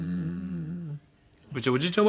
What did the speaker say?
うちおじいちゃん